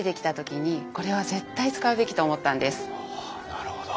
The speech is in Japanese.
なるほど。